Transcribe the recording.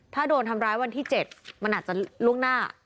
ถ้าโดนทำร้ายวันที่๗มันอาจจะล่วงหน้า